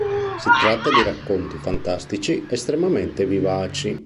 Si tratta di racconti fantastici, estremamente vivaci.